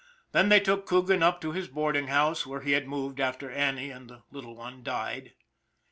Then they took Coogan up to his boarding house, where he had moved after Annie and the little one died.